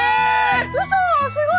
うそすごい！